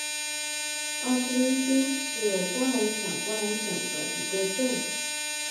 奥斯威辛是波兰小波兰省的一个镇。